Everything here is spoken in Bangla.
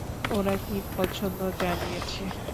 ওরা কি পছন্দ জানিয়েছে?